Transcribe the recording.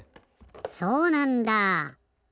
そうなんだ。